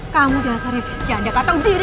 kamu dasarin janda gak tahu diri